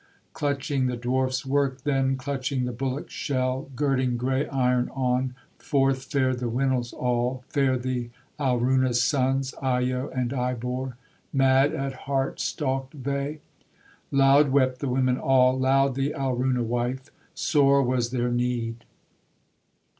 Clutching the dwarfs work then, Clutching the bullock's shell, Girding gray iron on, Forth fared the Winils all, Fared the Alruna's sons, Ayo and Ibor. Mad at heart stalked they: Loud wept the women all, Loud the Alruna wife; Sore was their need.